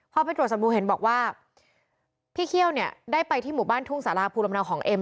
พ่อพระพระตัวสมบูรณ์เห็นบอกว่าพี่เคี่ยวเนี่ยได้ไปที่หมู่บ้านทุ่งสาราภูลำเนาของเอ็ม